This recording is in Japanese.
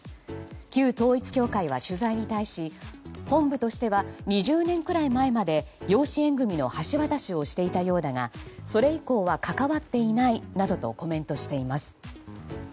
旧統一教会は取材に対し本部としては２０年くらい前まで養子縁組の橋渡しをしていたようだがそれ以降は関わっていないなどとコメントしています。